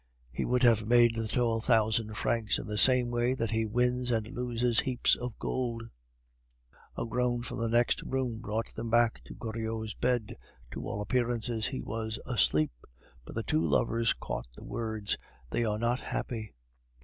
He would have made the twelve thousand francs in the same way that he wins and loses heaps of gold." A groan from the next room brought them back to Goriot's bedside; to all appearances he was asleep, but the two lovers caught the words, "They are not happy!"